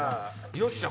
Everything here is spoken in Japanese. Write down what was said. よっしゃ！